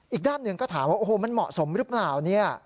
อีกด้านหนึ่งก็ถามว่าโอ้โหมันเหมาะสมหรือเปล่าเนี่ย